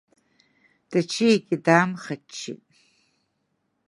Тачиагьы даамхаччеит.